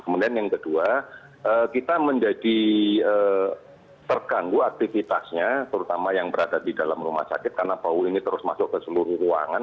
kemudian yang kedua kita menjadi terganggu aktivitasnya terutama yang berada di dalam rumah sakit karena bau ini terus masuk ke seluruh ruangan